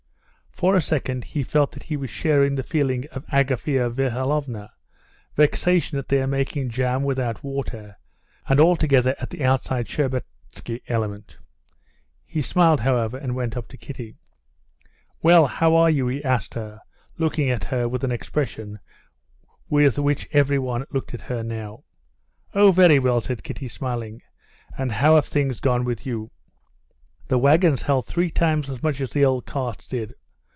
For a second he felt that he was sharing the feeling of Agafea Mihalovna, vexation at their making jam without water, and altogether at the outside Shtcherbatsky element. He smiled, however, and went up to Kitty. "Well, how are you?" he asked her, looking at her with the expression with which everyone looked at her now. "Oh, very well," said Kitty, smiling, "and how have things gone with you?" "The wagons held three times as much as the old carts did.